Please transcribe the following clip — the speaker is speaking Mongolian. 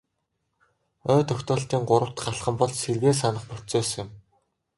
Ой тогтоолтын гурав дахь алхам бол сэргээн санах процесс юм.